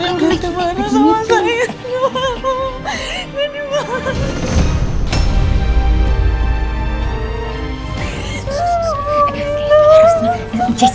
nanti masih marah sama saya